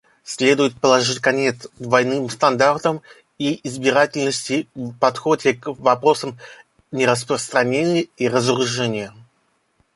Следует положить конец двойным стандартам и избирательности в подходе к вопросам нераспространения и разоружения.